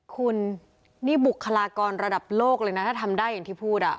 คุณนี่บุคลากรระดับโลกเลยนะถ้าทำได้อย่างที่พูด